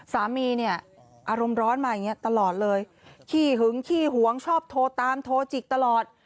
สามีเนี่ยอารมณ์ร้อนมาอย่างนี้ตลอดเลยขี้หึงขี้หวงชอบโทรตามโทรจิกตลอด